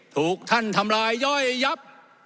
ถูกท่านทำลายย่อยยับ